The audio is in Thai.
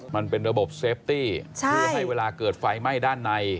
มันเป็นระบบเซฟตี้เพื่อให้เวลาเกิดไฟไหม้ด้านใน